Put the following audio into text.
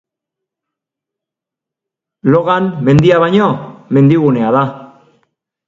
Logan mendia baino, mendigunea da.